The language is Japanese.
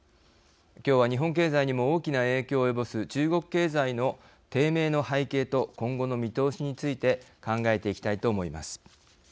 今日は日本経済にも大きな影響を及ぼす中国経済の低迷の背景と今後の見通しについて考えていきたいと思います。